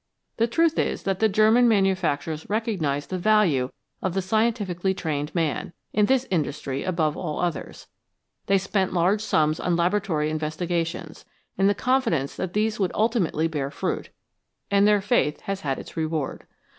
The truth is that the German manufacturers recognised the value of the scientifically trained man, in this industry above all others ; they spent large sums on laboratory investigations, in the confidence that these would ulti mately bear fruit, and their faith has had its reward.